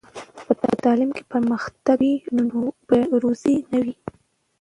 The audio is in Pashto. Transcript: که په تعلیم کې پرمختګ وي، نو بې وزلي نه ده.